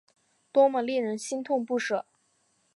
多么令人心痛不舍